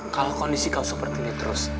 kalau kondisi kau seperti ini terus